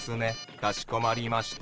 かしこまりました。